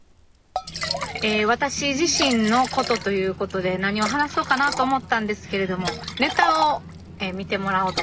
え私自身のことということで何を話そうかなと思ったんですけれどもネタを見てもらおうと思います。